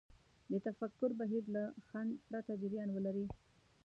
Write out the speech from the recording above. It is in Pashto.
د تفکر بهير له خنډ پرته جريان ولري.